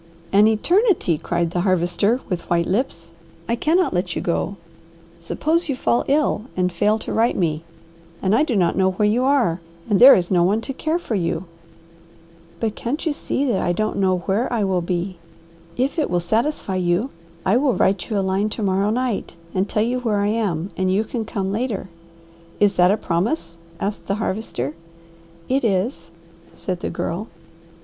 "An eternity!" cried the Harvester with white lips. "I cannot let you go. Suppose you fall ill and fail to write me, and I do not know where you are, and there is no one to care for you." "But can't you see that I don't know where I will be? If it will satisfy you, I will write you a line to morrow night and tell you where I am, and you can come later." "Is that a promise?" asked the Harvester. "It is," said the Girl.